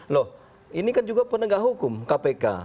loh ini kan juga penegak hukum kpk